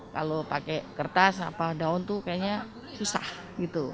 kalau pakai kertas atau daun itu kayaknya susah gitu